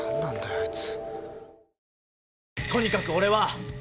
あいつ。